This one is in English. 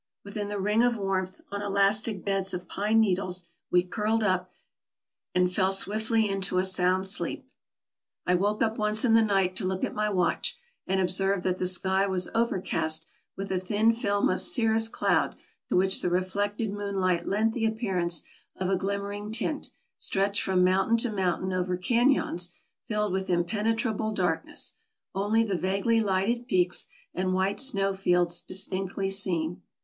Within the ring of warmth, on elastic beds of pine needles, we curled up, and fell swiftly into a sound sleep. I woke up once in the night to look at my watch, and ob served that the sky was overcast with a thin film of cirrus cloud to which the reflected moonlight lent the appearance of a glimmering tint, stretched from mountain to mountain over canons filled with impenetrable darkness, only the vaguely lighted peaks and white snow fields distinctly seen.